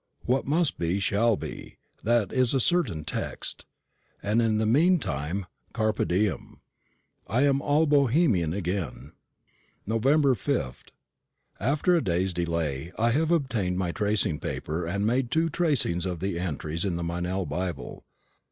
"What must be, shall be that's a certain text;" and in the mean time carpe diem. I am all a Bohemian again. Nov. 5th. After a day's delay I have obtained my tracing paper, and made two tracings of the entries in the Meynell Bible.